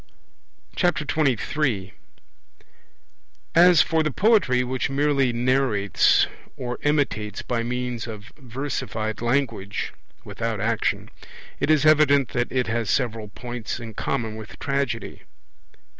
23 As for the poetry which merely narrates, or imitates by means of versified language (without action), it is evident that it has several points in common with Tragedy.